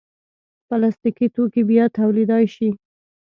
پلاستيکي توکي بیا تولیدېدای شي.